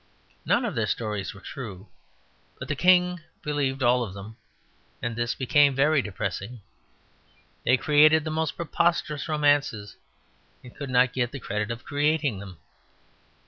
None of their stories were true; but the king believed all of them, and this became very depressing. They created the most preposterous romances; and could not get the credit of creating them.